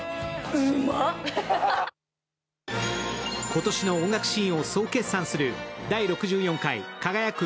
今年の音楽シーンを総決算する「第６４回輝く！